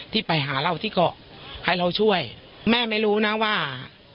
ที่ไปหาเราที่เกาะให้เราช่วยแม่ไม่รู้นะว่า